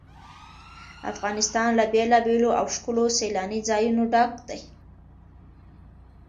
افغانستان له بېلابېلو او ښکلو سیلاني ځایونو ډک دی.